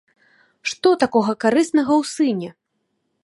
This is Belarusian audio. Што такога карыснага ў сыне?